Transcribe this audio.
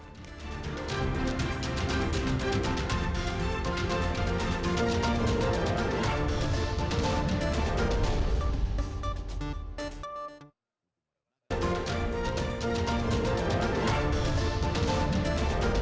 kita akan selalu diperlajarkan